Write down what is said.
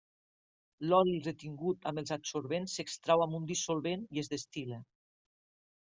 L’oli retingut amb els adsorbents s’extrau amb un dissolvent i es destil·la.